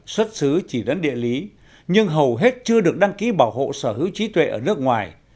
xuất xứ chỉ đến địa lý nhưng hầu hết chưa được đăng ký bảo hộ sở hữu trí tuệ ở nước ngoài